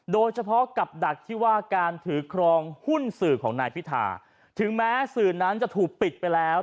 โดยเฉพาะกับดักที่ว่าการถือครองหุ้นสื่อของนายพิธาถึงแม้สื่อนั้นจะถูกปิดไปแล้ว